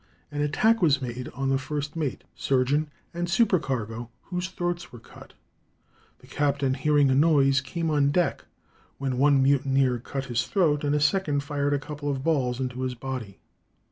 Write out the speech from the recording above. an attack was made on the first mate, surgeon, and supercargo, whose throats were cut. The captain, hearing a noise, came on deck, when one mutineer cut his throat, and a second fired a couple of balls into his body.